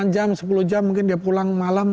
delapan jam sepuluh jam mungkin dia pulang malam